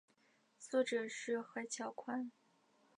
作者是椎桥宽。